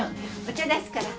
お茶出すから。